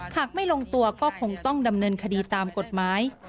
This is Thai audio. หากไม่ลงตัวก็คงต้องดำเนินคดีตามกฎหมาย